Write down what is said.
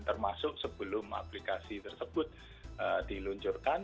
termasuk sebelum aplikasi tersebut diluncurkan